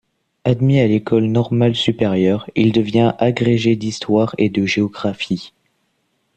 Admis à l'École normale supérieure, il devient agrégé d'histoire et de géographie.